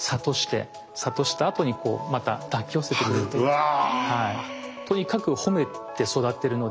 うわ！